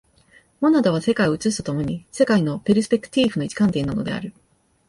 モナドは世界を映すと共に、世界のペルスペクティーフの一観点なのである。